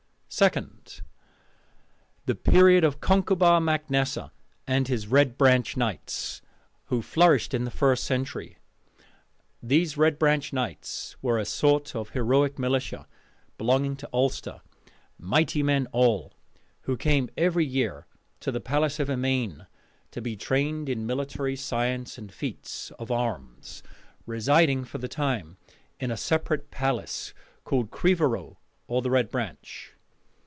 Second: The Period of Concobar mac Nessa and his Red Branch Knights, who flourished in the first century. These Red Branch Knights were a sort of heroic militia, belonging to Ulster, mighty men all, who came every year to the palace of Emain to be trained in military science and feats of arms, residing for the time in a separate palace called Creeveroe or the Red Branch.